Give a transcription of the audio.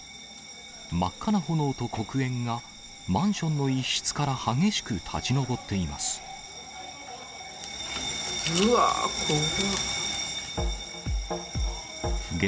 真っ赤な炎と黒煙が、マンションの一室から激しく立ち上っていまうわー、こわ。